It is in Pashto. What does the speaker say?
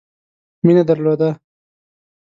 مینه درلوده.